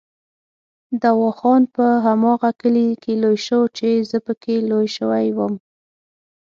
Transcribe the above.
دوا خان په هماغه کلي کې لوی شو چې زه پکې لوی شوی وم.